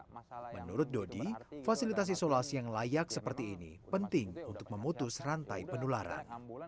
menurut dodi fasilitas isolasi yang layak seperti ini penting untuk memutus rantai penularan